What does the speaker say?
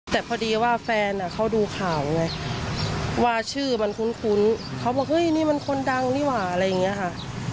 แต่พอดีว่าแฟนเขาดูข่าวไงว่าชื่อมันคุ้นเขาบอกเฮ้ยนี่มันคนดังนี่หว่าอะไรอย่างนี้ค่ะ